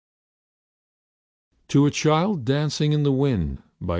com To a Child Dancing in the Wind, by W.